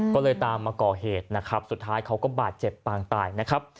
ก็เลยตามมาก่อเหตุนะครับสุดท้ายเขาก็บาดเจ็บปางตายนะครับ